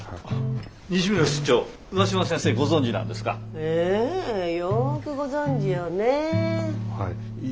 ええよくご存じよねえ。